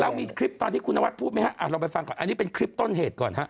เรามีคลิปตอนที่คุณนวัดพูดไหมฮะลองไปฟังก่อนอันนี้เป็นคลิปต้นเหตุก่อนฮะ